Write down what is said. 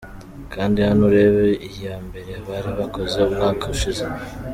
Kanda hano urebe iya mbere bari bakoze umwaka ushize .